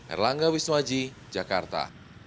erlangga wisnuaji jakarta